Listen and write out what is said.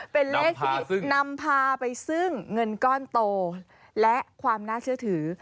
เป็นเลขที่นำพาไปซึ่งเงินก้อนโตและความน่าเชื่อถือ